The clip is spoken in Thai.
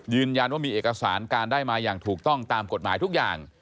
ยืนยันว่ามีเอกสารการได้มาอย่างถูกต้องตามกฎหมายทุกอย่าง